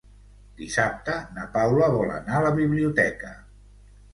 Dissabte na Paula vol anar a la biblioteca.